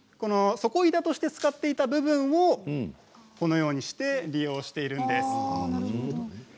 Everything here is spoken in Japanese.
底板として使っていた部分をこのように利用しているんです。